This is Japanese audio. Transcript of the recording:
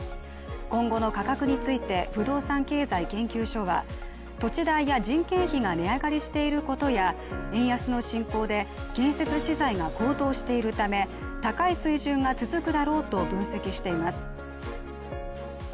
今後の価格について不動産経済研究所は、土地代や人件費が値上がりしていることや円安の進行で建設資材が高騰しているため、高い水準が続くだろうと分析しています。